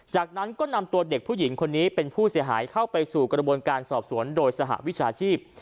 จากนั้นก็นำตัวเด็กผู้หญิงคนนี้เป็นผู้เสียหายเข้าไปสู่กระบวนการสอบสวนโดยสหวิชาชีพ